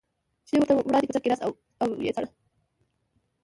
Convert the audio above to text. چیني ورته وړاندې په څنګ کې ناست او یې څاره.